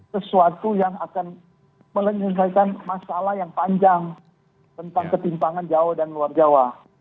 sesuatu yang akan menyelesaikan masalah yang panjang tentang ketimpangan jawa dan luar jawa